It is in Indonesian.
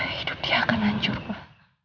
hidup dia akan hancur